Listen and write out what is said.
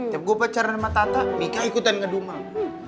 tapi gue pacaran sama tata mika ikutin ngedumel